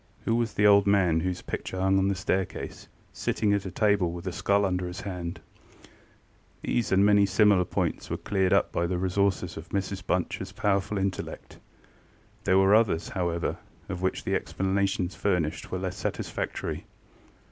Who was the old man whose picture hung on the staircase, sitting at a table, with a skull under his hand? ŌĆØ These and many similar points were cleared up by the resources of Mrs BunchŌĆÖs powerful intellect. There were others, however, of which the explanations furnished were less satisfactory.